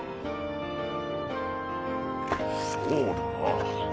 そうだな。